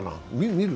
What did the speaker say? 見る？